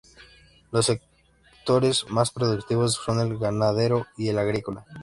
Los sectores más productivos son el ganadero y el agrícola.